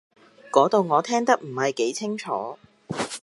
嗰度我聽得唔係幾清楚